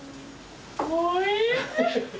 おいしい。